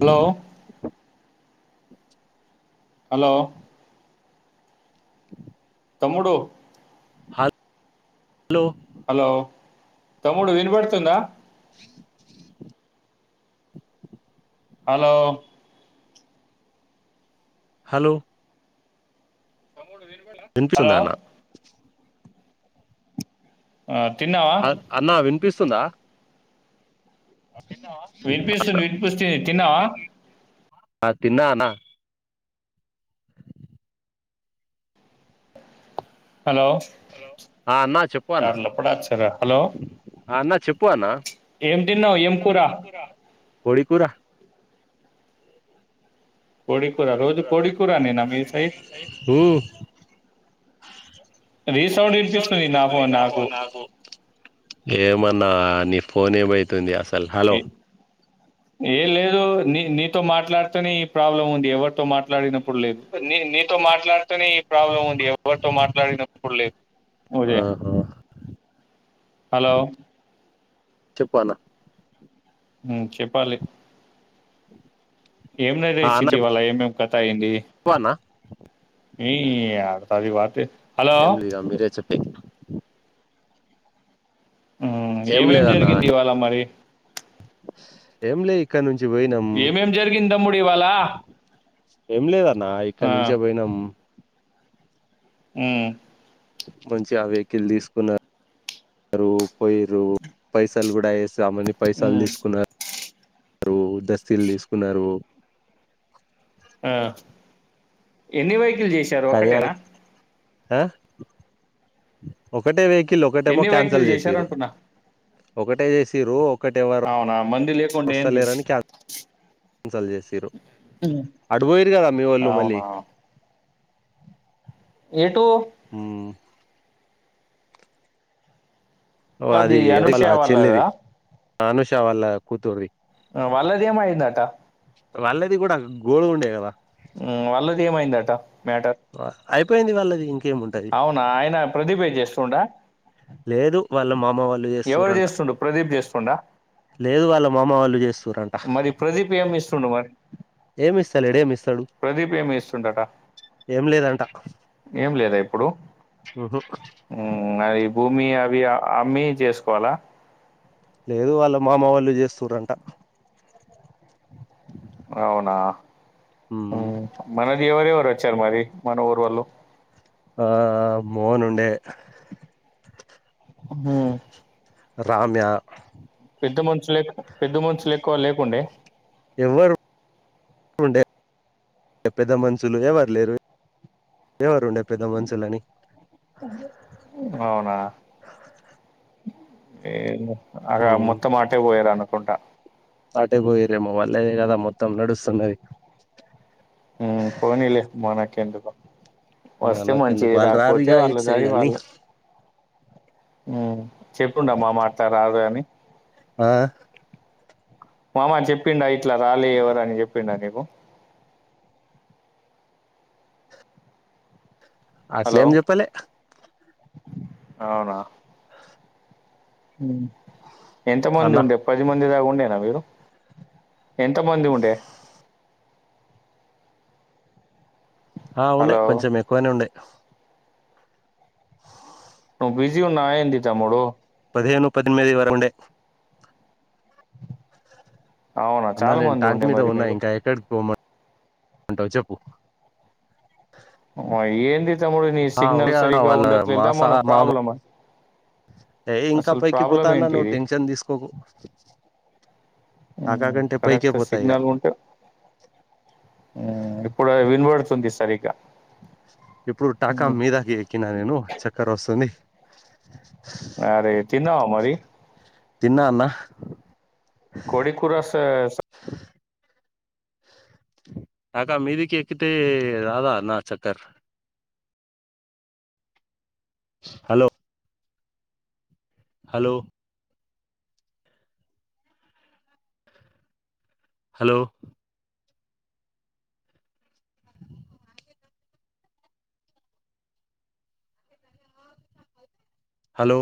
Hello. Hello. తమ్ముడు. Hello. Hello తమ్ముడు వినపడుతుందా హలో హలో హలో వినిపిస్తుందా అన్న. ఆ తిన్నావా అ అన్నా వినిపిస్తుందా. వినిపిస్తుంది వినిపిస్తుంది తిన్నావా. ఆహ్ తిన్నా అన్న. హలో ఆ అన్నా చెప్పు అన్నా హలో ఆ అన్నా చెప్పు అన్న ఏం తిన్నావు ఏం కూర కోడికూర కోడి కూర ఉ రోజు కోడి కూర నేనా మీ సైడ్ మ్ రీసౌండ్ వినిపిస్తది నా ఫోన్ నాకు ఏమన్నా నీ ఫోన్ ఏమైతుంది అసలు హలో ఏ లేదు నీ-నీతో మాట్లాడితేనే ఈ ప్రాబ్లముంది ఎవరితో మాట్లాడినం నీ-నీతో మాట్లాడితేనే ఈ ప్రాబ్లముంది ఎవరితో మాట్లాడినప్పుడు లేదు అ ఉదయ్ హా హలో చెప్పన్నా ఉ చెప్పాలి ఏం ఆ అన్న నరేసిద్ధి వాళ్ళ ఏమోం కథాయింది చెప్పు అన్న ఏయారు సారి వాతే హలో ఏం లేదు ఆ మీరే చెప్పి ఏం ఏమేం లేదన్నా జరిగింది ఇవాళ మరి ఏం లే ఇక్కడ్నుం ఏమేం జరిగిందమ్ముడు ఇవాలా ఏం లేదన్న ఇక్కడ్నుంచే పోయినాం ఉ మ్ మంచిగా వెహికల్ తీసుకున్నారు పోయ్రు పైసలు కూడా ఎస్ దామని పైసాల్ మ్ తీసుకున్నా రు దస్తీల్తీసుకున్నారు ఆ ఎన్ని వెహికల్ చేశారు కానీ ఒకటేనా ఆ ఒకటే వెహికల్ ఒకటేమో ఎన్ని వెహికల్ క్యాన్సల్ చేశారు చేసిరు అంటున్నా ఒకటే చేసిరు అవునా మంది లేకుండా ఏంది ఒక్కరేవ్వరోస్తలేరని కాన్సిల్ చేసిర్రు హ్మ్. అటుపోయ్రు కదా మీ వాళ్ళు మళ్ళీ అవునా ఏటు మ్ ఓ అది అనుష వాళ్ళ చెల్లిది వాళ్ళదా అనుషా వాళ్ళ కూతుర్ది వళ్ళదేమయిదటా వాళ్ళది కూడా గోళుండేగదా వాళ్ళది ఏమైందట మ్యాటర్ అయిపోయ్ది వాళ్ళది ఇం అవునా ఆయన ప్రదీపే చేస్తుండా లేదు వాళ్ళ మామ వాళ్ళు ఎవరు చేస్తురంట చేస్తుండు ప్రదీప్ చేస్తుండా లేదు వాళ్ళ మామ వాళ్ళు చే మరి ప్రదీప్ ఏమిస్తుండు మరి ఏమి ఇస్తలేడు ఏమి ఇస్తాడు ప్రదీప్ ఏమిస్తుండట ఏం లేదంట ఏం లేదా ఇప్పుడు ఉహు మ్ అది భూమి అవి అమ్మీ చేసుకోవాలా లేదు వాళ్ళ మామ వాళ్ళు చేస్తురంట అవునా మ్ మనదేవరేవర ఇచ్చారు మరి మన ఊరి వాళ్ళు ఆ మోహన్ ఉండే హు రామ్యా పెద్ద మనుషులేక్ పెద్ద మనుషులు ఎక్కువ లేకుండే వుంటే పెద్ద మనుషులు ఎవరు లేరు ఎవరు ఉండే పెద్ద మనుషులని అవునా ఏమో అగా మొత్తం అటే పోయిరు అనుకుంట అటే పోయిరేమో వాళ్ళదె గదా మొత్తం నడుస్తున్నది. మ్మ్ పోనీలే మనకెందుకు వస్తే మనకెందుకు మంచిది వాళ్ళు రాకపోతే రారుగా వాళ్ళ ఇటు సైడ్ దారి అని వాళ్ళు మ్ చెప్పుండమ్మా మా అత్త రాదు అని ఆ మామ చెప్పిండా ఇట్లా రాలే ఎవరు అని జేప్పిండా నీకు హలో అట్లేం జెప్పలే అవునా ఎంత మంది అన్న ఉండే పది మంది దాక ఉండేనా మీరు ఎంత మంది ఉండే ఆ ఉండే హలో కొంచెం ఎక్కువనే ఉండే బిజీ ఉన్నావా ఏంది తమ్ముడు పదిహేను పద్దెన్మిది వరకుండె అవునా అన్న చాలా నేను మంది ట్యాంక్ ఉండే మీద మరి ఉన్నా మీరు ఇంకా ఎక్కడికి పోమన్ ఉంటావు చెప్పు ఏంది తమ్ముడు నీ ఆ ఉండే సిగ్నల్ అన్న సరిగ్గా వాళ్ళ మా ఉండట్లేదా సా ఎమైన మామ ప్రాబ్లమ ఏ ఇంకా పైకి పోతా అన్న నువ్వు ఇది టెన్షన్ తీసుకోకు టాకా మ్ కంటే పైకే కరెక్ట్ పోతా ఇగ సిగ్నల్ ఉంటే మ్ ఇప్పుడె వినబడుతుంది సరిగ్గ ఇప్పుడు టాకా మీదాకి ఎక్కినా నేను చెక్కరొస్తుంది. అరే తిన్నావా మరి తిన్నా అన్న కోడికూర వస్త్ స్ టాకా మీదికి ఎక్కితే రాదా అన్న చెక్కర్ హలొ హలో హలో హలో